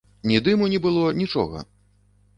Ні дыму не было, нічога.